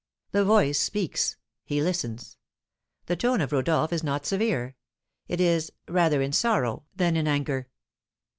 The voice speaks he listens. The tone of Rodolph is not severe; it is "rather in sorrow than in anger."